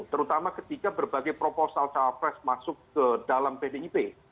terutama ketika berbagai proposal cawapres masuk ke dalam pdip